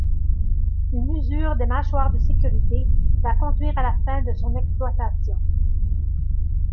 Une usure des mâchoires de sécurité va conduire à la fin de son exploitation.